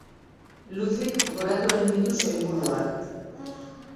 Lucyk goratu egiten ditu soinburuak.